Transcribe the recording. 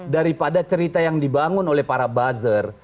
daripada cerita yang dibangun oleh para buzzer